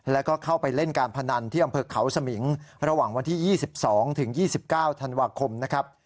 แล้วก็เข้าไปเล่นการพนันที่อำเภอเขาสมิงระหว่างวันที่๒๒ถึง๒๒๙ธันวาคมนะครับ